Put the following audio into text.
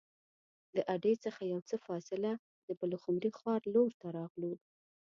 د اډې څخه یو څه فاصله د پلخمري ښار لور ته راغلو.